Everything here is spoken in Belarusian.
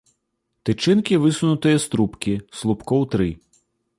Тычынкі высунутыя з трубкі, слупкоў тры.